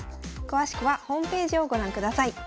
詳しくはホームページをご覧ください。